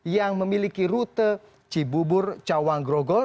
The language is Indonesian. yang memiliki rute cibubur cawang grogol